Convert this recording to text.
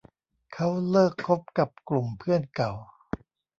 เค้าเลิกคบกับกลุ่มเพื่อนเก่า